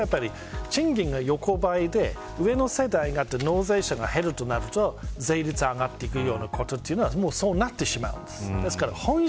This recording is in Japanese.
そうすると、賃金が横ばいで、上の世代の納税者が減ると税率が上がっていくというのはそうなってしまうんです。